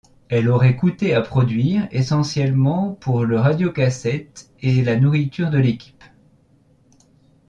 Elle aurait coûté à produire, essentiellement pour le radiocassette et la nourriture de l'équipe.